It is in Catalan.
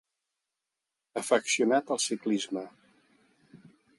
Afeccionat al ciclisme.